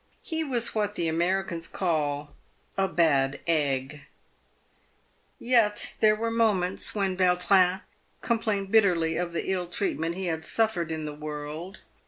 He was what the Americans call " a bad egg " Yet there were moments when Yautrin complained bitterly of the ill treatment he had suffered in the world.